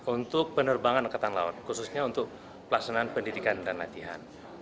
untuk penerbangan angkatan laut khususnya untuk pelaksanaan pendidikan dan latihan